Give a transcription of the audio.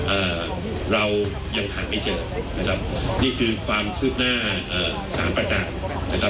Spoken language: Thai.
เอ่อเรายังหาไม่เจอนะครับนี่คือความคืบหน้าเอ่อสามประการนะครับ